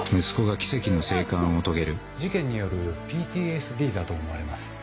息子が奇跡の生還を遂げる事件によるＰＴＳＤだと思われます。